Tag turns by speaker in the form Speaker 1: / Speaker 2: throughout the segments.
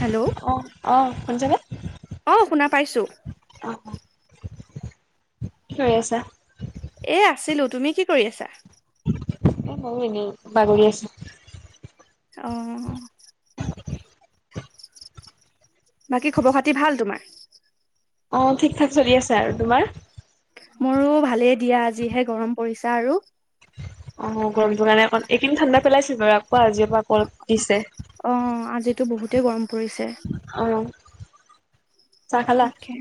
Speaker 1: Hello,
Speaker 2: অঁ অঁ শুনিছেনে?
Speaker 1: অঁ শুনা পাইছোঁ।
Speaker 2: অ কি কৰি আছা?
Speaker 1: এ আছিলো তুমি কি কৰি আছা?
Speaker 2: এই ব এনেও বাগৰি আছোঁ?
Speaker 1: অ,
Speaker 2: [inaudible]
Speaker 1: বাকী খবৰ খাতি ভাল তোমাৰ
Speaker 2: অ ঠিক ঠাক চলি আছে আৰু তোমাৰ
Speaker 1: মোৰো ভালেই দিয়া আজিহে গৰম পৰিছা আৰু
Speaker 2: অ', গৰমটোৰ কাৰণে অকণ এইকেদিন ঠাণ্ডা পেলাইছিল বাৰু আকৌ আজিৰ পৰা আকৌ দিছে।
Speaker 1: অ', আজিতো বহুতেই গৰম পৰিছে
Speaker 2: অ', চাহ খালা
Speaker 1: তাকে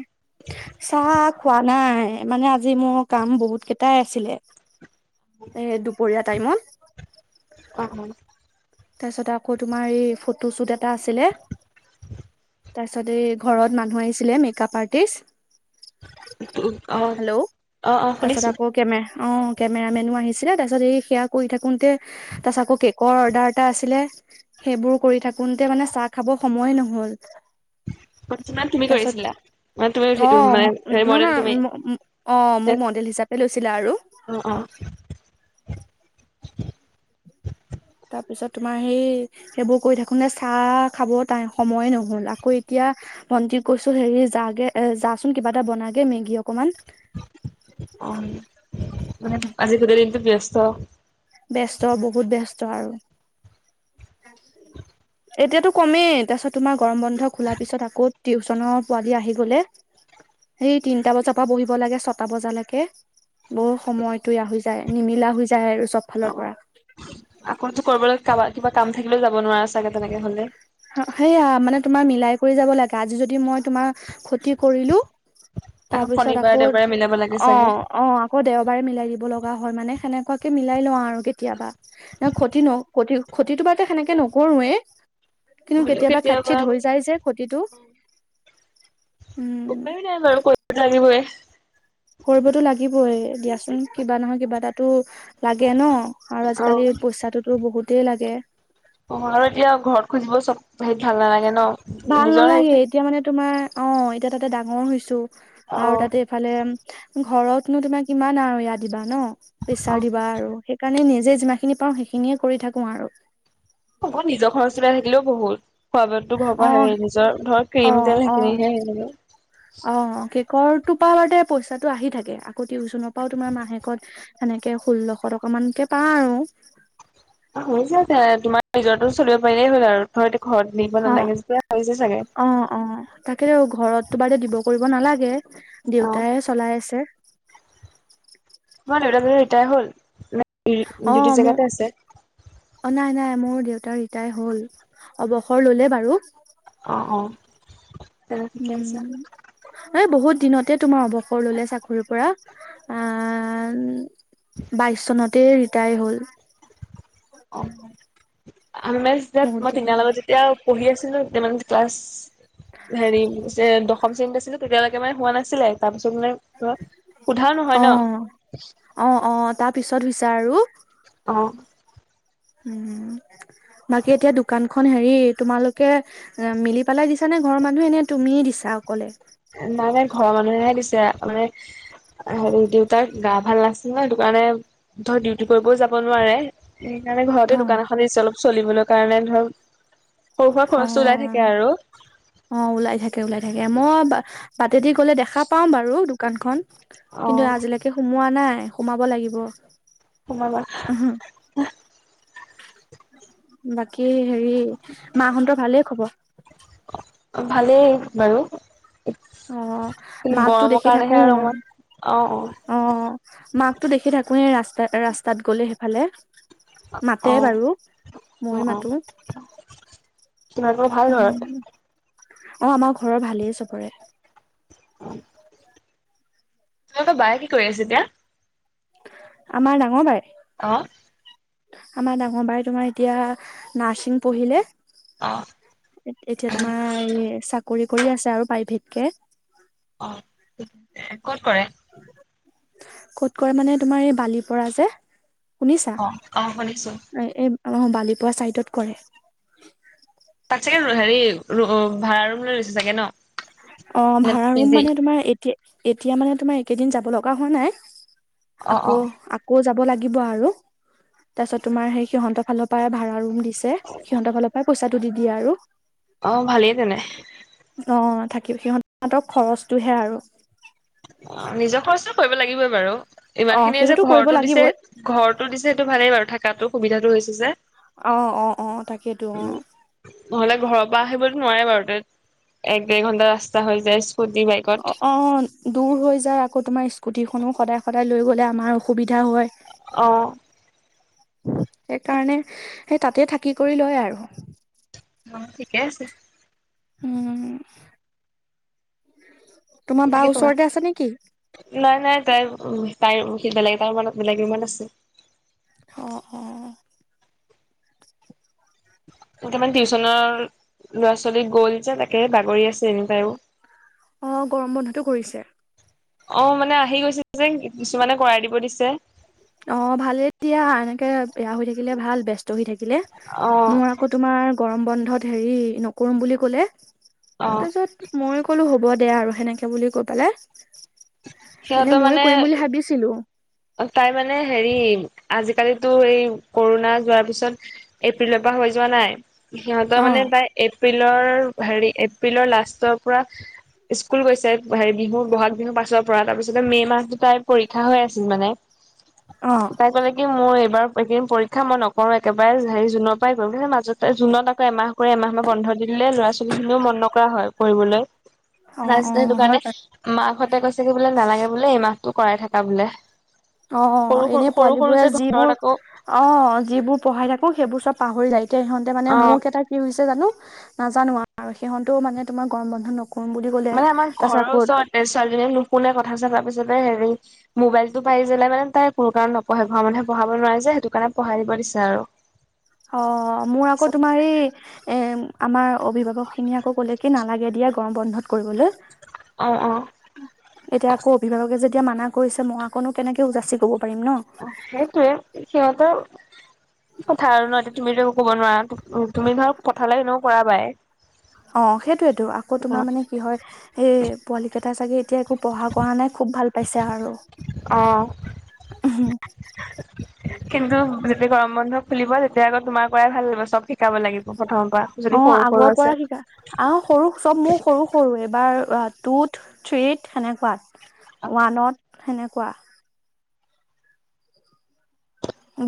Speaker 1: চাহ খোৱা নাই মানে আজি মোৰ কাম বহুত কেইটাই আছিলে এ দুপৰীয়া টাইমত
Speaker 2: অ', অ',
Speaker 1: তাৰপিছত আকৌ তোমাৰ এই ফটো শ্বুট এটা আছিলে।
Speaker 2: [inaudible]
Speaker 1: তাৰপিছত এই ঘৰত মানুহ আহিছিলে মেকআপ আৰ্টিষ্ট।
Speaker 2: অ', অ',
Speaker 1: হেল্ল'
Speaker 2: অ', অ',
Speaker 1: তাৰপিছত
Speaker 2: শুনিছো
Speaker 1: আকৌ কেমে অ', কেমেৰা মেনো আহিছিলে তাৰপাছত এই সেৱা কৰি থাকোতে তাৰপিছত আকৌ কেকৰ অৰ্ডাৰ এটা আছিলে সেইবোৰ কৰি থাকোতে মানে চাহ খাব সময়ে নহ'ল।
Speaker 2: [inaudible] তুমি কৰিছিলা? মানে তুমি
Speaker 1: তাৰপিছত
Speaker 2: উঠি
Speaker 1: অ',
Speaker 2: মানে হেৰি
Speaker 1: নহ
Speaker 2: মডেল
Speaker 1: না
Speaker 2: তুমি
Speaker 1: অ',
Speaker 2: অ',
Speaker 1: মোক মডেল হিচাপে লৈছিলে আৰু
Speaker 2: অ', অ',
Speaker 1: তাৰপিছত তোমাৰ সেই সেইবোৰ কৰি থাকো নে চাহ খাব ই সময়ে নহল আকৌ এতিয়া ভণ্টি কৈছো হেৰি যাগে এ যাচোন কিবা এটা বনাগে মেগী অকমান
Speaker 2: অ', মানে আজি গোটেই দিনটো ব্যস্ত।
Speaker 1: ব্যস্ত বহুত ব্যস্ত আৰু এতিয়াতো কমেই তাৰপিছত তোমাৰ গৰম বন্ধ খোলা পিছত আকৌ টিউচনৰ পোৱালি আহি গ'লে। সেই তিনটা বজাৰ পৰা বহিব লাগে ছটা বজালৈকে। বহুত সময়তোয়া হৈ যায় নিমিলা হৈ যায় আৰু চব ফালৰ
Speaker 2: অ',
Speaker 1: পৰা
Speaker 2: আকৌতো কৰিবলৈ কাৰ কিবা কাম থাকিলেও যাব নোৱাৰা চাগে তেনেকে হ'লে
Speaker 1: সেয়াই মানে তোমাৰ মিলাই কৰি যাব লাগে আজি যদি মই তোমাৰ ক্ষতি কৰিলো
Speaker 2: আকৌ
Speaker 1: তাৰপিছত
Speaker 2: শনিবাৰে
Speaker 1: আকৌ
Speaker 2: দেওবাৰে মিলাব লাগে চাগে,
Speaker 1: অ', অ', আকৌ দেওবাৰে মিলাই দিব লগা হয় মানে সেনেকুৱাকে মিলাই লওঁ আৰু কেতিয়াবা ন ক্ষতি ন ক্ষতি ক্ষতিটো বাৰো সেনেকে নকৰোৱেই কিন্তু কেতিয়াবা খাটছিট হৈ যায় যে খতিটো উম
Speaker 2: উপায় নাই বাৰু কৰিব লাগিবই।
Speaker 1: কৰিবতো লাগিবই দিয়াচোন কিবা নহয় কিবা এটা টো। লাগে ন আৰু
Speaker 2: অ
Speaker 1: আজিকালি পইচাটোতো বহুতেই লাগে।
Speaker 2: পোহৰ দিয়ক ঘৰত খুজিব চব হেৰিত ভাল নালাগে ন
Speaker 1: ভাল
Speaker 2: নিজৰ
Speaker 1: নালাগে
Speaker 2: সেইটো।
Speaker 1: এতিয়া মানে তোমাৰ অ এতিয়া তাতে ডাঙৰ হৈছো
Speaker 2: অ
Speaker 1: আৰু তাতে ইফালে। ঘৰতনো তোমাক কিমান আৰু ইয়াত দিবা ন প্ৰেছাৰ দিবা আৰু। কাৰণে নিজে যিমানখিনি পাওঁ সেইখিনিয়ে কৰি থাকো আৰু।
Speaker 2: ঘৰত নিজৰখনৰ নিজৰ থাকিলেও বহুত। খোৱা -বোয়াটো ঘৰৰ পৰা
Speaker 1: অ
Speaker 2: হেৰি নিজৰ ধৰ
Speaker 1: অ
Speaker 2: ক্ৰীম তেল
Speaker 1: অ
Speaker 2: সেইখিনিহে এনে।
Speaker 1: অ', কেকৰ তৰ পৰা পইচাটো আহি থাকে আকৌ টিউশচনৰ পৰাও তোমাৰ মাহেকত। সেনেকে ষোল্লশ টকা মানকে পাওঁ আৰু।
Speaker 2: হৈছে জে তোমাৰ নিজৰ টো চলিব পাৰিলেই হ'ল আৰু ধ ঘৰত নিব
Speaker 1: অ
Speaker 2: নালাগে যেতিয়া হৈছে চাগে।
Speaker 1: তাকেটো ঘৰততো বাৰদে দিব কৰিব নালাগে
Speaker 2: অ
Speaker 1: দেউতাই চলাই আছে।
Speaker 2: মই দেউতাক ৰিটায়াৰ
Speaker 1: অ
Speaker 2: হ'ল দিউটি
Speaker 1: মোৰ
Speaker 2: জেগাতে আছে।
Speaker 1: অ', নাই নাই মোৰ দেউতা ৰিটায় হ'ল অৱসৰ ললে বাৰু।
Speaker 2: অ', অ', তেনে ঠিকে আছে
Speaker 1: উম এই বহুত দিনতে তোমাৰ অৱসৰ ল'লে চাকৰিৰ পৰা। আ বাইশ চনতে ৰিটায়াৰ হ'ল।
Speaker 2: অ',
Speaker 1: বহুত
Speaker 2: মই তিনি
Speaker 1: দিন
Speaker 2: লগত যেতিয়া পঢ়ি আছিলো তেতিয়া ক্লাছ। হেৰি দশম শ্ৰেণীত আছিলো‌। তেতিয়ালৈকে মানে হোৱা নাছিলে, তাৰ পিছত মানে। সোধাও নহয় ন
Speaker 1: অ' অ' অ' তাৰ পিছত হৈছা আৰু।
Speaker 2: অ'।
Speaker 1: উম' বাকী এতিয়া দোকানখন হেৰি তোমালোকে। অ' মিলি পেলাই দিছা নে ঘৰৰ মানুহ এনে তুমি দিছা অকলে।
Speaker 2: নাই নাই ঘৰৰ মানুহে দিছে মানে। হেৰি, দেউতাৰ গা ভাল নাছিল নহ সেইটো কাৰণে ধৰ ডিউটি কৰিবও যাব নোৱাৰে। সেইকাৰণে ঘৰতে
Speaker 1: অ
Speaker 2: দোকান এখন দিছো অলপ চলিবলৈ কাৰণে ধৰ। সৰু সুৰা খৰচটো ওলাই থাকে
Speaker 1: অ'
Speaker 2: আৰু
Speaker 1: অ' ওলাই থাকে ওলাই থাকে মই বা। বাটেদি গ'লে দেখা পাওঁ বাৰু দোকান খন
Speaker 2: অ
Speaker 1: কিন্তু আজিলৈকে। সি সোমোৱা নাই, সোমাব লাগিব।
Speaker 2: সোমাবা।
Speaker 1: বাকী হেৰি মাহতৰ ভালেই খবৰ।
Speaker 2: অ ভালেই বাৰু।
Speaker 1: অ'
Speaker 2: কিন্তু,
Speaker 1: মাকতো
Speaker 2: গৰমৰ
Speaker 1: দেখি থাকো
Speaker 2: কাৰণেহে আৰু অকমান অ অ।
Speaker 1: অ' মাকতো দেখি থাকোয়ে ৰাস্তা ৰাস্তাত গ'লে সেইফালে।
Speaker 2: অ অ
Speaker 1: মাতে
Speaker 2: অ
Speaker 1: বাৰু মইয়ো
Speaker 2: অ
Speaker 1: মাতো।
Speaker 2: তোমালোকৰ ভাল ঘৰত
Speaker 1: অ' আমাৰ ঘৰৰ ভালেই চবৰে।
Speaker 2: উ। তোমোকৰ বাইয়ে কি কৰি আছে এতিয়া।
Speaker 1: আমাৰ ডাঙৰ বাই।
Speaker 2: অ'।
Speaker 1: আমাৰ ডাঙৰ বাই তোমাৰ এতিয়া নাৰ্ছিং পঢ়িলে।
Speaker 2: অ'।
Speaker 1: এতিয়া তোমাৰ এই চাকৰি কৰি আছে আৰু প্ৰাইভেট কে।
Speaker 2: অ' ঠিক আছে, ক'ত কৰে।
Speaker 1: ক'ত কৰে মানে তোমাৰ এই বালিৰ পৰা যে শুনিছা
Speaker 2: অ', শুনিছো।
Speaker 1: অ এই বালিপৰা চাইডত কৰে।
Speaker 2: তাত চাগে হেৰি অ ভাড়া ৰুম লৈ আছে চাগে ন।
Speaker 1: অ'
Speaker 2: নে
Speaker 1: ভাড়া
Speaker 2: পি
Speaker 1: ৰুম
Speaker 2: জি?
Speaker 1: মানে তোমাৰ এতিয়া, এতিয়া মানে তোমাৰ এইকেদিন যাব লগা হোৱা নাই।
Speaker 2: অ',
Speaker 1: আকৌ'
Speaker 2: অ',
Speaker 1: আক আকৌ যাব লাগিব আৰু তাৰ পিছত তোমাৰ সেই সিহতৰ ফালৰ পৰা ভাড়া ৰুম দি ছে সিহঁতৰ ফালৰ পৰা পইচাটো দি দিয়ে আৰু।
Speaker 2: অ ভালেই তেনে।
Speaker 1: অ' থাকিব সিহঁত তহতৰ খৰচটোহে আৰু।
Speaker 2: নিজৰ খৰচো কৰিব লাগিবই বাৰু
Speaker 1: অ
Speaker 2: ইমান খিনিয়ে যে
Speaker 1: সেইটোতো কৰিব
Speaker 2: ঘৰটো দিছে।
Speaker 1: লাগিবই
Speaker 2: ঘৰটো দিছে সেইটো ভালেই বাৰু থাকাতো সুবিধাটো হৈছে যে।
Speaker 1: অ' অ' অ' তাকেই।
Speaker 2: উম' নহ'লে ঘৰৰ পৰা আহিবতো নোৱাৰে বাৰু, তেক' এক-ডেৰ ঘণ্টা ৰাস্তা হৈ যায় স্কুটি, বাইক।
Speaker 1: অঁ অঁ, দূৰ হৈ যায়। আকৌ তোমাৰ স্কুটিখনো সদায় সদায় লৈ গ'লে আমাৰ অসুবিধা হয়।
Speaker 2: অ
Speaker 1: সেইকাৰণে সেই তাতে থাকি কৰি লয় আৰু।
Speaker 2: অঁ, ঠিকেই আছে।
Speaker 1: উঁম, তোমাৰ বা
Speaker 2: লাগে তোমাক?
Speaker 1: ওচৰতে আছে নেকি?
Speaker 2: নাই, নাই। তাইৰ তাইৰ বেলেগ এটা ৰুমত বেলেগ ৰুমত আছে।
Speaker 1: অঁ, অঁ,
Speaker 2: এতা মানে টিউচনৰ ল'ৰা-ছোৱালী গ'ল যে, তাকে বাগৰি আছে এনেকে আৰু
Speaker 1: অঁ, গৰম বন্ধতো কৰিছে।
Speaker 2: অঁ, মানে আহি গৈছে যে, কিছুমানে কৰাই দিব দিছে।
Speaker 1: অ ভালেই দিয়া এনেকে বেয়া হৈ থাকিলে ভাল ব্যস্ত হৈ থাকিলে
Speaker 2: অ
Speaker 1: মোৰ আ আকৌ তোমাৰ গৰম বন্ধত হেৰি নকৰোম বুলি ক'লে
Speaker 2: অ
Speaker 1: তাৰছত মই ক'লো হ'ব দেয়া আৰু সেনেকে বুলি কৈ পেলাই এনে
Speaker 2: সিহঁতৰ
Speaker 1: ময়ো
Speaker 2: মানে
Speaker 1: কৰিম বুলি ভাবিছিলো
Speaker 2: তাই মানে হেৰি আজিকালিতো এই কৰোণা যোৱাৰ পিছত এপ্ৰিলৰ পা হৈ যোৱা নাই সিহঁতৰ
Speaker 1: অ
Speaker 2: মানে তাই এপ্ৰিলৰ হেৰি এপ্ৰিলৰ লাষ্টৰ পৰা স্কুল গৈছে হেৰি বিহু বহাগ বিহু পাছ ছৰ পৰা তাৰপিছতে মে মাহত তাই পৰীক্ষা হৈ আছিল মানে
Speaker 1: অ
Speaker 2: তাই কলে এ মোৰ এইবাৰ এইকেইদিন পৰীক্ষা মই নকৰো একেবাৰে হেৰি জুনৰ পৰাই কৰিম কিন্তু মাজতে জুনত আকৌ এমাহ কৰে নহলে বন্ধ দি দিলে ল'ৰা ছোৱালী খিনিও মন নকৰা হয় পঢ়িবলৈ
Speaker 1: অ অ
Speaker 2: তাৰপিছত সেইটো
Speaker 1: হয়
Speaker 2: কাৰণে
Speaker 1: পাই
Speaker 2: মাকহঁতে কৈছে কি বোলে নালাগে বোলে এই মাহটো কৰাই থাকা বোলে
Speaker 1: অ
Speaker 2: সৰু
Speaker 1: এনে
Speaker 2: সৰু সৰু
Speaker 1: পোৱালী
Speaker 2: সৰু
Speaker 1: বোৰে
Speaker 2: যে ঘৰত
Speaker 1: যিবোৰ
Speaker 2: আকৌ
Speaker 1: অ যিবোৰ পঢ়াই থাকো সেইবোৰ চব পাহৰি যায় এতিয়া সিহঁতে মানে
Speaker 2: অ'
Speaker 1: মোৰ কেইটা কি হৈছে জানো নাজানো আৰু সিহঁতো মানে তোমাৰ গৰম বন্ধ নক কম বুলি ক'লে তাৰছত কত
Speaker 2: এ ছোৱালীজনী নুশুনে কথা চথা তাৰপিছতে হেৰি মোবাইলটো পাই যালে মানে তাই কোনো কাৰণে নপঢ়ে ঘৰৰ মানুহে পঢ়াব নোৱাৰে যে সেইটো কাৰণে পঢ়াই দিব দিছে আৰু
Speaker 1: অ মোৰ আকৌ তোমাৰ এই এ আমাৰ অভিভাৱক খিনিয়ে আকৌ ক'লে কি নালাগে দিয়া গৰম বন্ধত কৰিবলৈ
Speaker 2: অ অ
Speaker 1: এতিয়া আকৌ অভিভাৱকে যেতিয়া মানা কৰিছে মই আকনো কেনেকে ও যাচি কব পাৰিম ন
Speaker 2: সেইটোয়ে সিহঁতৰ কথা আৰু ন তুমিতো একো ক'ব নোৱাৰা উ তুমি ধৰক পঠালে এনেও কৰাবাই
Speaker 1: অ সেইটোৱে টো আকৌ তোমাৰ
Speaker 2: অ।
Speaker 1: মানে কি হয় এই পোৱালি কেইটা চাগে এতিয়া একো পঢ়া কৰা নাই খুব ভাল পাইছে আৰু
Speaker 2: অ কিন্তু যেতিয়া গৰম বন্ধ খুলিব তেতিয়া আকৌ তোমাৰ কৰাই ভাল লাগিব চব শিকাব লাগিব প্ৰথমৰ পৰা যদি সৰু সৰু আছে
Speaker 1: আহ সৰু চব মোৰ সৰু সৰু এবাৰ টুত থ্ৰীত সেনেকুৱাত ওৱানত সেনেকুৱা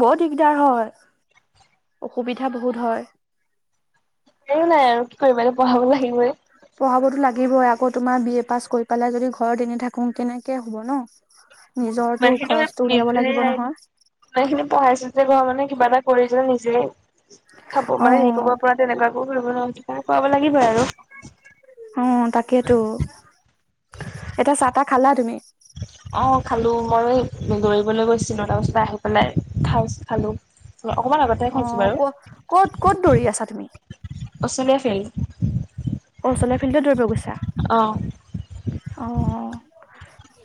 Speaker 1: বহুত দিগদাৰ হয় অসুবিধা বহুত হয়
Speaker 2: এও নাই আৰু কি কৰিবা এ পঢ়াব লাগিবই
Speaker 1: পঢ়াবতো লাগিবই আকৌ তোমাৰ বি এ পাছ কৰি পেলাই যদি ঘৰত এনি থাকো কেনেকে হ'ব ন
Speaker 2: [unintelligible]
Speaker 1: নিজৰতো
Speaker 2: ইমান
Speaker 1: খৰচটো উলিয়াব লাগিব নহয়
Speaker 2: খিনি পঢ়াইছো যে ঘৰ মানে কিবা এটা কৰি যে নিজে খাব
Speaker 1: অ
Speaker 2: মানে সেৰি কৰিব পৰা তেনেকুৱাকো কৰিব ন খোৱাব লাগিব আৰু
Speaker 1: অ তাকেইতো এতিয়া চাহ তাহ খালা তুমি
Speaker 2: অ খালো মই এই দৌৰিবলৈ গৈছিলো তাপা চিধা আহি পেলাই খাই খালো অ অকমান আগত
Speaker 1: অ ক ক'ত ক'ত দৌৰি আছা তুমি
Speaker 2: অষ্ট্ৰেলিয়া ফিল্ড
Speaker 1: অষ্ট্ৰেলিয়া ফিল্ডত দৌৰিব গৈছা
Speaker 2: অ
Speaker 1: অ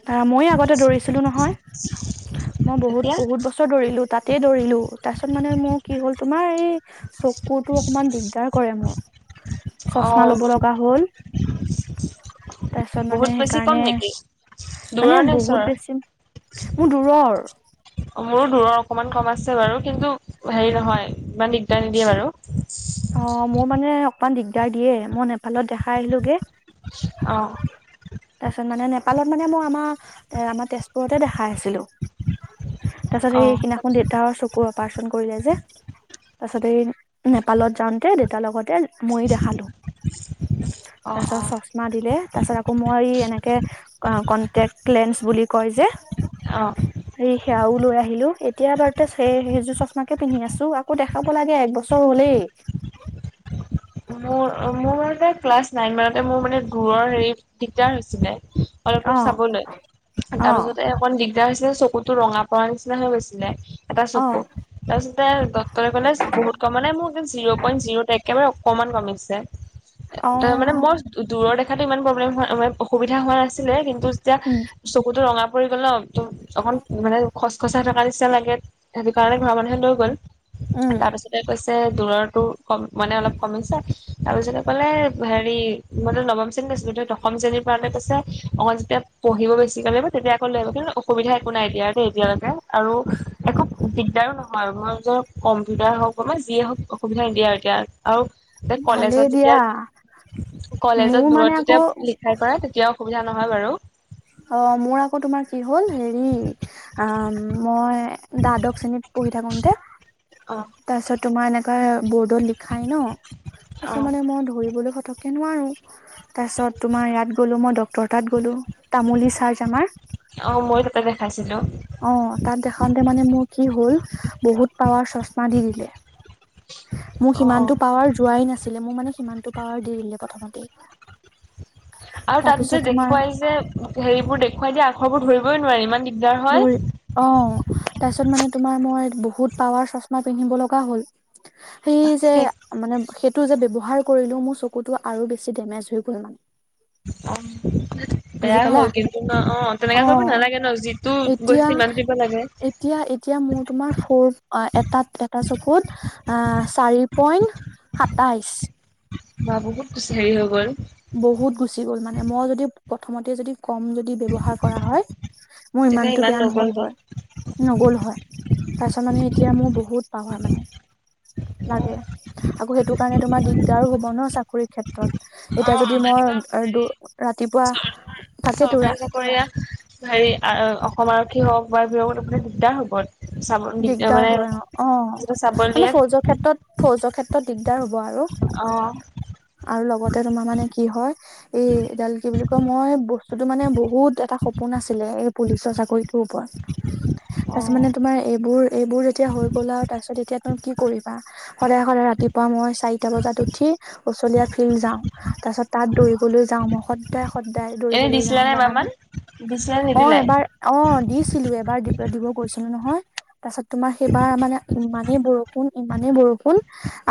Speaker 1: তা ময়ো আগতে দৌৰিছিলো নহয় মই বহুত
Speaker 2: এতিয়া
Speaker 1: বহুত বছৰ দৌৰিলো তাতেই দৌৰিলো তাৰ পিছত মানে মোৰ কি হ'ল তোমাৰ এই চকুতো অকণমান দিগদাৰ কৰে মোৰ চছমা
Speaker 2: অ',
Speaker 1: ল'ব লগা হ'ল তাৰপিছত মানে
Speaker 2: বহুত বেছি কম
Speaker 1: সেইকাৰণে
Speaker 2: নেকি?
Speaker 1: মানে
Speaker 2: দূৰৰ নে
Speaker 1: বহুত
Speaker 2: ওচৰৰ?
Speaker 1: বেছি মোৰ দূৰৰ
Speaker 2: মোৰো দূৰৰ অকমান কম আছে বাৰু কিন্তু হেৰি নহয় ইমান দিগদাৰ নিদিয়ে বাৰু
Speaker 1: অ মোৰ মানে অকমান দিগদাৰ দিয়ে মই নেপালত দেখাই আহিলোগে
Speaker 2: অ
Speaker 1: তাৰপিছত মানে নেপালত মানে মই আমাৰ এ আমাৰ তেজপুৰতে দেখাই আছিলো।
Speaker 2: [inaudible]
Speaker 1: তাৰপাছত সেই
Speaker 2: অ',
Speaker 1: সিদিনাখন
Speaker 2: তাৰপিছত?
Speaker 1: দেউতাৰ চকু অপাৰেচন কৰিলে যে তাৰপাছত সেই নেপালত যাওঁতে দেউতাৰ লগতে ময়ো দেখালো
Speaker 2: অ',
Speaker 1: তাৰপিছত চছমা দিলে তাৰ পাছত আকৌ মই এনেকে কনটেক্ট লেঞ্চ বুলি কয় যে
Speaker 2: অ
Speaker 1: এই সেয়াও লৈ আহিলো এতিয়া বাৰু তে সেইজোৰ চচমাকে পিন্ধি আছো আকৌ দেখা খাব লাগে একবছৰ হ'লেই
Speaker 2: মোৰ মোৰ মানতে ক্লাছ নাইন মানতে মোৰ মানে দূৰৰ হেৰি দিগদাৰ হৈছিলে অলপ দূৰ
Speaker 1: অ
Speaker 2: চাব নোৱাৰি
Speaker 1: অ
Speaker 2: তাৰপিছতে অকণ দিগদাৰ হৈছিলে চকুতো ৰঙা পৰাৰ নিচিনা হৈ গৈছিলে এটা
Speaker 1: অ
Speaker 2: চকু তাৰপিছতে ডাক্তৰে ক'লে বহুত কম মানে মোক একদম জিৰ' পইণ্ট জিৰ' একেবাৰে অকমান কমিছে
Speaker 1: অ
Speaker 2: ত মানে মই দূৰৰ দেখাতো ইমান প্ৰব্লেম হোৱা মানে অসুবিধা হোৱা নাছিলে কিন্তু যেতিয়া
Speaker 1: উম
Speaker 2: চকুতো ৰঙা পৰি গ'ল ন ত অকন মানে খচখচাই থকা নিচনা লাগে। সেইটো কাৰণে ঘৰৰ মানুহে লৈ গ'ল,
Speaker 1: উম
Speaker 2: তাৰপিছতে কৈছে দূৰৰতো কম মানে অলপ কমিছে তাৰপিছতে ক'লে হেৰি মইটো নৱম শ্ৰেণীত আছিলো দশম শ্ৰেণী পাওতে কৈছে অ যেতিয়া পঢ়িব বেছিকে লাগিব তেতিয়া আকৌ লৈ আহিব কিন্তু অসুবিধা একো নাই দিয়া এতিয়ালৈকে। আৰু একো দিগদাৰো নহয় মই ধৰক কম্পিউটাৰ হওক বা মই যিয়ে হওক অসুবিধা নিদিয়ে আৰু এতিয়া। আৰু যে কলেজত
Speaker 1: ভালেই দিয়া
Speaker 2: যেতিয়া
Speaker 1: মোৰ
Speaker 2: কলেজত
Speaker 1: মানে
Speaker 2: দূৰত
Speaker 1: আকৌ
Speaker 2: যেতিয়া সহায় কৰা তেতিয়াও অসুবিধা নহয় বাৰু।
Speaker 1: অ মোৰ আকৌ তোমাৰ কি হ'ল হেৰি অ মই দ্বাদশ শ্ৰেণীত পঢ়ি থাকোতে
Speaker 2: অ
Speaker 1: তাৰপিছত তোমাৰ এনেকে বৰ্ডত লিখাই ন তাৰপিছত
Speaker 2: অ',
Speaker 1: মানে মই ধৰিবলৈ তে নোৱাৰোঁ, তাৰপিছত তোমাৰ ইয়াত গ'লো মই ডক্তৰৰ তাত গ'লো তামুলী চাৰজনৰ
Speaker 2: অ ময়ো তাতে দেখাইছিলো।
Speaker 1: অ তাত দেখাওতে মানে মোৰ কি হল বহুত পাৱাৰ চশমা দি দিলে। মোক
Speaker 2: অ', অ'।
Speaker 1: সিমানটো পাৱাৰ যোৱাই নাছিলে মোৰ মানে সিমানটো পাৱাৰ দি দিলে প্ৰথমতেই।
Speaker 2: আৰু তাত যে
Speaker 1: তাৰপিছত তোমাৰ
Speaker 2: দেখুৱাই যে হেৰিবোৰ দেখুৱাই দিয়া আখৰবোৰ ধৰিবই নোৱাৰে ইমান দিগদাৰ হয়।
Speaker 1: দুৰ অ তাৰপিছত মানে তোমাৰ মই বহুত পাৱাৰ চচমা পিন্ধিব লগা হ'ল। সেই যে মানে সেইটো যে ব্যৱহাৰ কৰিলো মোৰ চকুটো আৰু বেছি ডেমেজ হৈ গ'ল।
Speaker 2: [unintelligible]
Speaker 1: বুজি
Speaker 2: বেয়া
Speaker 1: পালা
Speaker 2: হ'ল কিন্তু ন অ তেনেকুৱা কৰিব নালাগে ন যিটো গৈছিল
Speaker 1: এতিয়া
Speaker 2: সিমান টো দিব লাগে।
Speaker 1: এতিয়া এতিয়া মোৰ তোমাৰ ফৰ অ এটা এটা চকুত চাৰি পইণ্ট সাতাইশ।
Speaker 2: বা বহুত বেছি হেৰি হৈ গ'ল।
Speaker 1: বহুত গুচি গ'ল মানে মই যদি প্ৰথমতে যদি ক'ম য দি ব্যৱহাৰ কৰা হয় মোৰ
Speaker 2: তেতিয়া
Speaker 1: ইমানটো
Speaker 2: ইমান
Speaker 1: বেয়া নহল
Speaker 2: নগ'লগে
Speaker 1: হয়। নগল হয়, তাৰপিছত মানে এতিয়া মোৰ বহুত পাৱাৰ মানে। লাগে আকৌ সেইটো কাৰণে তোমাৰ দিগদাৰো হব ন চাকৰিৰ ক্ষেত্ৰত। এতিয়া
Speaker 2: অ',
Speaker 1: যদি মই
Speaker 2: এনেকুৱা
Speaker 1: দ
Speaker 2: হেৰি
Speaker 1: ৰাতিপুৱা তাকেতো
Speaker 2: চৰকাৰী চাকৰিয়া হেৰি আ অসম আৰক্ষী হওক বা [unintelligible] দিগদাৰ হ'ব। চাব
Speaker 1: দিগদাৰ
Speaker 2: মানে
Speaker 1: হয় অ অ
Speaker 2: যেতিয়া চাব
Speaker 1: মানে
Speaker 2: দিয়ে
Speaker 1: ফৌজৰ ক্ষেত্ৰত ত ফৌজৰ ক্ষেত্ৰত দিগদাৰ হ'ব আৰু,
Speaker 2: অ',
Speaker 1: আৰু লগতে তোমাৰ মানে কি হয় এ এডাল কি বুলি কয় মই বস্তুটো মানে বহুত এটা স সপোন আছিলে এই পুলিচৰ চাকৰিটোৰ ওপৰত। তাৰপিছত
Speaker 2: অ',
Speaker 1: মানে তোমাৰ এইবোৰ এইবোৰ যেতিয়া হৈ গ'ল আৰু তাৰপিছত এতিয়া তম কি কৰিবা সদায় সদায় ৰাতিপুৱা মই চাৰিটা বজাত উঠি উচলীয়া ফিল্ড যাওঁ। তাৰপিছত তাত দৌৰিবলৈ যাওঁ মই স সদায় সদায়
Speaker 2: এনে
Speaker 1: দৌৰিবলৈ
Speaker 2: দিছিলা নে
Speaker 1: যাওঁ
Speaker 2: এবাৰ মান
Speaker 1: জানানে,
Speaker 2: দিছিলা নে
Speaker 1: অ
Speaker 2: নিদিলাই?
Speaker 1: এবাৰ অ দিছিলো এবাৰ দিবলৈ দিব গৈছিলো নহয়। তাৰপাছত তোমাৰ সেইবাৰ মানে ইমানেই বৰষুণ ইমানেই বৰষুণ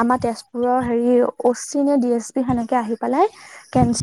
Speaker 1: আমাৰ তেজপুৰৰ হেৰি অ চি নে দি এছ পি সেনেকে আহি পেলাই কেন